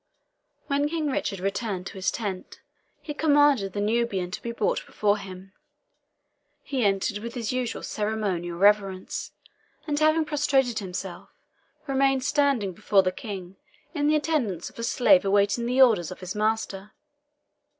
When King Richard returned to his tent, he commanded the Nubian to be brought before him. He entered with his usual ceremonial reverence, and having prostrated himself, remained standing before the King in the attitude of a slave awaiting the orders of his master.